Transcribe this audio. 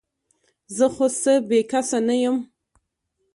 زه خو څه بې کسه نه یم ؟